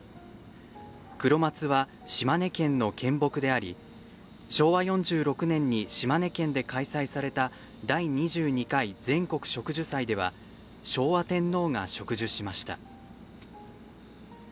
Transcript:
クロマツは島根県の県木であり昭和４６年に島根県で開催された「第２２回全国植樹祭」では昭和天皇が植樹しました。